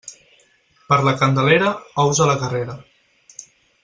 Per la Candelera, ous a la carrera.